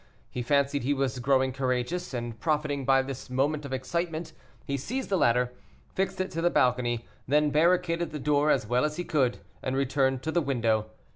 He fancied he was growing courageous, and, profiting by this moment of excitement, he seized the ladder, fixed it to the balcony, then barricaded the door as well as he could, and returned to the window.